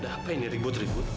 ada apa ini ribut ribut